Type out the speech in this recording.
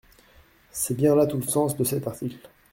C’est bien là tout le sens de cet article.